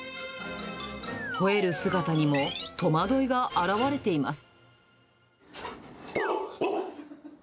ほえる姿にも戸惑いが表れています。